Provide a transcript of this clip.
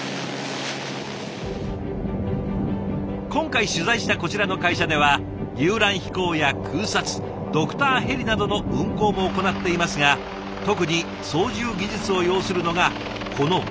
今回取材したこちらの会社では遊覧飛行や空撮ドクターヘリなどの運航も行っていますが特に操縦技術を要するのがこの物資輸送。